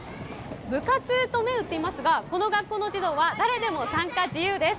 部活と銘打っていますが、この学校の児童は、誰でも参加自由です。